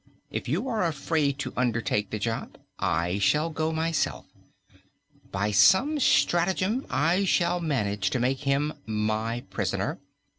If you are afraid to undertake the job, I shall go myself. By some stratagem I shall manage to make him my prisoner.